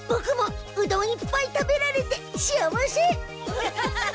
アハハハ！